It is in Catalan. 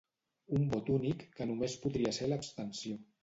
Un vot únic que només podria ser l’abstenció.